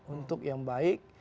untuk yang baik